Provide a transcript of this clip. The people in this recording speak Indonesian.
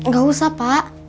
gak usah pak